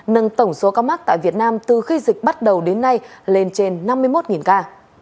nâng tổng số ca mắc tại việt nam từ khi dịch bắt đầu đến nay lên trên năm mươi một ca